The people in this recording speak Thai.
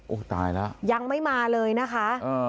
โอ้โหตายแล้วยังไม่มาเลยนะคะ